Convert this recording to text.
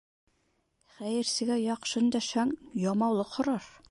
Хәйерсегә яҡшы өндәшһәң, ямаулыҡ һорар